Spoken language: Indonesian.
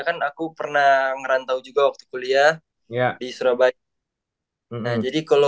kan aku pernah merantau juga waktu kuliah ya di surabaya nah jadi kalau